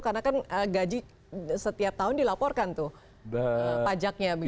karena kan gaji setiap tahun dilaporkan tuh pajaknya begitu